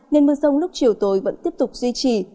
nên mưa rông lúc chiều tối vẫn tiếp tục duy trì